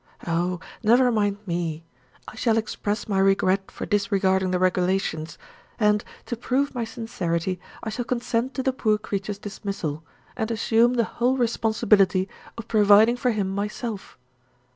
Oh, never mind me! I shall express my regret for disregarding the regulations and, to prove my sincerity, I shall consent to the poor creature's dismissal, and assume the whole responsibility of providing for him myself.